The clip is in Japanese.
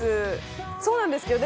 そうなんです。